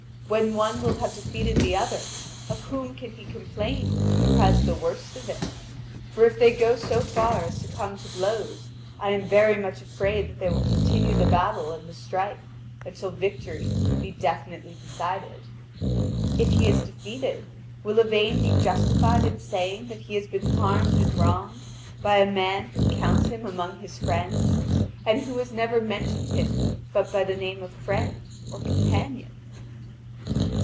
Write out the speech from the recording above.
When one will have defeated the other, of whom can he complain who has the worst of it? For if they go so far as to come to blows, I am very much afraid that they will continue the battle and the strife until victory be definitely decided. If he is defeated, will Yvain be justified in saying that he has been harmed and wronged by a man who counts him among his friends, and who has never mentioned him but by the name of friend or companion?